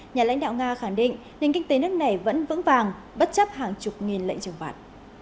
nhà lãnh đạo nga khẳng định nền kinh tế nước này vẫn vững vàng bất chấp hàng chục nghìn lệnh trừng phạt